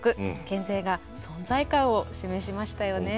県勢が存在感を示しましたよね。